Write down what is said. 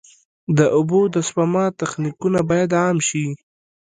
د اوبو د سپما تخنیکونه باید عام شي.